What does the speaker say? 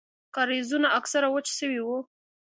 کاريزونه اکثره وچ سوي وو.